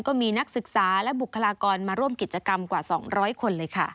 ก็มีนักศึกษาและบุคลากรมาร่วมกิจกรรมกว่า๒๐๐คนเลยค่ะ